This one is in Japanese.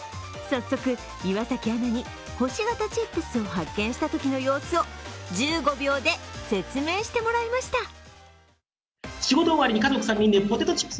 早速、岩崎アナに星形チップスを発見したときの様子を１５秒で説明してもらいました。